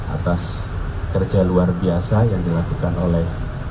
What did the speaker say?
atas kerja luar biasa yang dilakukan oleh